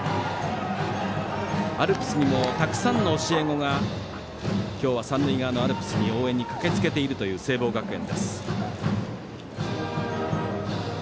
アルプスにもたくさんの教え子が今日は三塁側のアルプスに応援に駆けつけているという聖望学園。